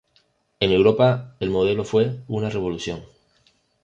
En Europa el modelo fue una revolución.